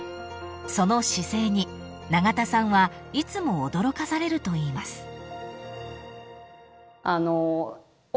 ［その姿勢に永田さんはいつも驚かされるといいます］